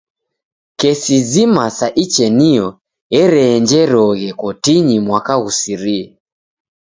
Kesi zima sa ichenio ereenjeroghe kotinyi mwaka ghusirie.